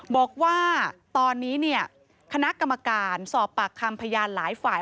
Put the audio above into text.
บอกว่าตอนนี้เนี่ยคณะกรรมการสอบปากคำพยานหลายฝ่าย